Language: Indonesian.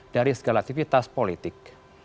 dari segala aktivitas politik